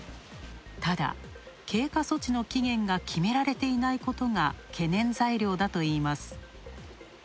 ただ、経過措置の期限が決められていないことが懸念材料だといいます。